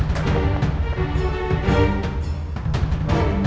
tahu dia ber et